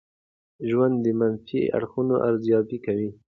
زه د ژوند منفي اړخونه ارزیابي کوم.